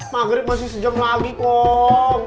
maghrib masih sejam lagi kok